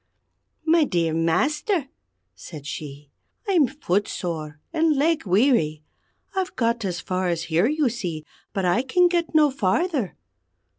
"My dear Master," said she, "I'm footsore and leg weary. I've got as far as here, you see, but I can get no farther.